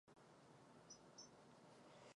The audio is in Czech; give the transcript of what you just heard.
Je to v našem společném zájmu.